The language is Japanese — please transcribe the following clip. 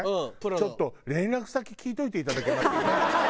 ちょっと連絡先聞いといていただけます？